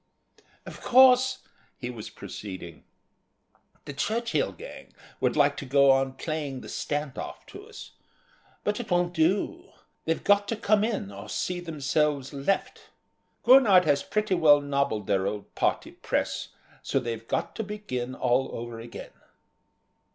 "Of course," he was proceeding, "the Churchill gang would like to go on playing the stand off to us. But it won't do, they've got to come in or see themselves left. Gurnard has pretty well nobbled their old party press, so they've got to begin all over again."